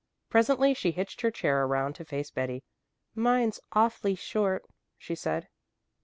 Presently she hitched her chair around to face Betty. "Mine's awfully short," she said.